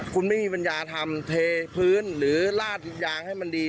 คุณไม่มีปัญญาทำเทพื้นหรือลาดยางให้มันดี